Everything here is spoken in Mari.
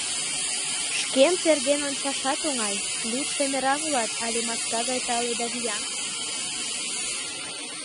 — Шкем терген ончашат оҥай: лӱдшӧ мераҥ улат але маска гай тале да виян.